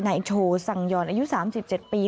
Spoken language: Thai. นายโชว์สังยอนอายุ๓๗ปี